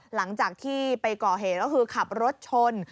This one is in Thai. หลังจากที่ไปก่อเหตุก็คือขับรถชน